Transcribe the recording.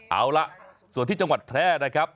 เอาล่ะส่วนที่จังหวัดแพร่นะครับ